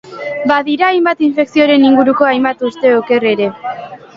Baina badira hainbat infekzioren inguruko zenbait uste oker ere.